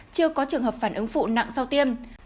chưa có trường hợp phản ứng phụ nặng sau tiêm